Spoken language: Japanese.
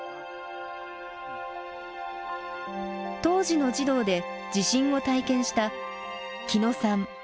当時の児童で地震を体験した木野さん